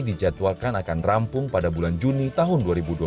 dijadwalkan akan rampung pada bulan juni tahun dua ribu dua puluh